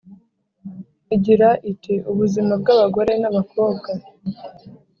igira iti "Ubuzima bw’abagore n’abakobwa